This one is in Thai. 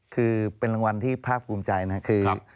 คือเป็นรางวัลที่ภาคภูมิใจนะครับคือ